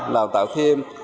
lào tạo thêm